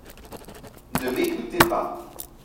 Ne m’écoutez pas.